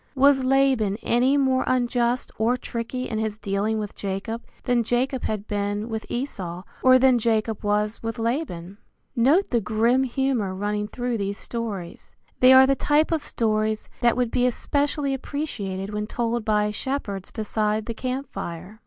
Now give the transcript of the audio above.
Was Laban any more unjust or tricky in his dealing with Jacob than Jacob had been with Esau, or than Jacob was with Laban? Note the grim humor running through these stories. They are the type of stories that would be especially appreciated when told by shepherds beside the camp fire.